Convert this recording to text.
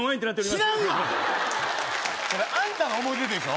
知らんわアンタの思い出でしょ